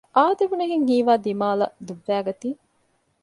އާދެވުނުހެން ހީވާ ދިމާލަށް ދުއްވައިގަތީ